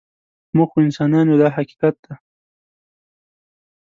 موږ خو انسانان یو دا حقیقت دی.